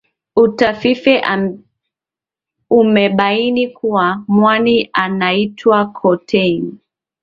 utafifi umebaini kuwa mwani unaoitwa cottonie